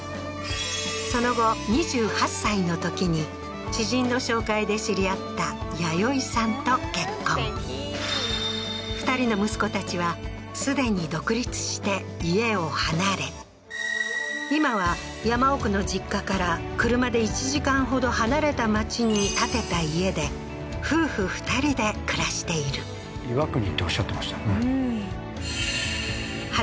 その後２８歳のときに知人の紹介で知り合った弥生さんと結婚２人の息子たちはすでに独立して家を離れ今は山奥の実家から車で１時間ほど離れた町に建てた家で夫婦２人で暮らしている岩国っておっしゃってましたよね